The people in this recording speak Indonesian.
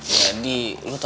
jadi lo tau gak